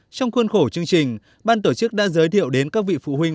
trong khuôn khổ chương trình ban tổ chức đã giới thiệu đến các vị phụ huynh